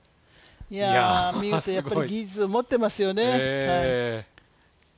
いや、見ると、やっぱり技術を持ってますよね。